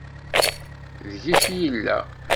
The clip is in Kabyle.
Deg-k i yella.